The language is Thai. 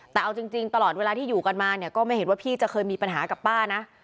แต่เอาจริงตลอดเวลาที่อยู่กันมาเนี่ยก็ไม่เห็นว่าพี่จะเคยมีปัญหากับป้านะ